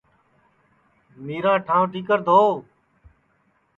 مِیراں ٹھانٚوَ ٹھِیکر دھووَ